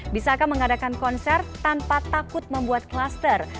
bisakah mengadakan konser tanpa takut membuat klaster